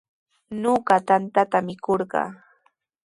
Ñuqa tantata mikurqaa.